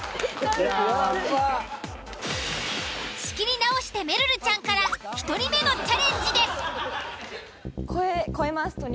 仕切り直してめるるちゃんから１人目のチャレンジです。